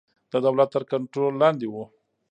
د دولت تر کنټرول لاندې وو.